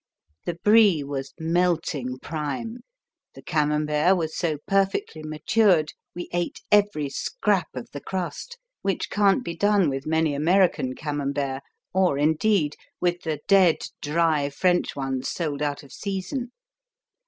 The Brie was melting prime, the Camembert was so perfectly matured we ate every scrap of the crust, which can't be done with many American "Camemberts" or, indeed, with the dead, dry French ones sold out of season.